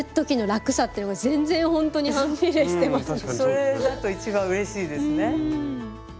それだと一番うれしいですね。